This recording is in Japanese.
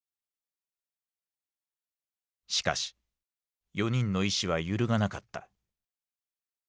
しかし４人の意思は揺るがなかった。